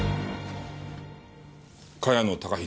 茅野孝英